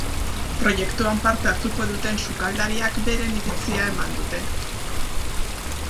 Proiektuan parte hartuko duten sukaldariak beren iritzia eman dute.